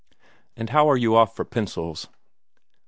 And how are you off for pencils?"